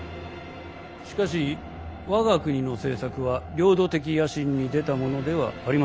しかし我が国の政策は領土的野心に出たものではありません。